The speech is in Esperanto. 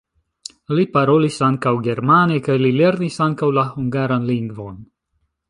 Li parolis ankaŭ germane kaj li lernis ankaŭ la hungaran lingvon.